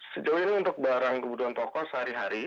sejauh ini untuk barang kebutuhan pokok sehari hari